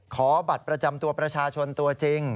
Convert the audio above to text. ขอบัตรประจำตัวประชาชนตัวจริง